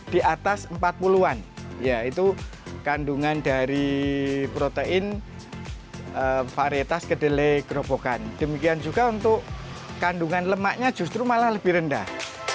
di atas empat puluh an yaitu kandungan dari protein varietas kedelai gerobokan demikian juga untuk kandungan lemaknya justru malah lebih rendah